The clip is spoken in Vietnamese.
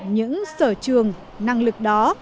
những sở trường năng lực đó